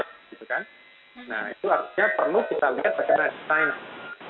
nah itu artinya perlu kita lihat bagaimana science